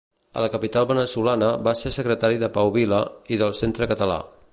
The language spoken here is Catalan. A la capital veneçolana va ser secretària de Pau Vila i del Centre Català.